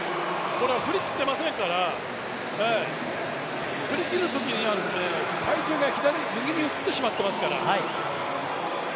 これは振り切ってませんから、振り切るときには体重が右に移ってしまっていますから。